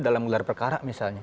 dalam gelar perkara misalnya